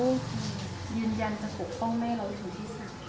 ยืนยันจะปกป้องแม่เราให้ถึงที่สุด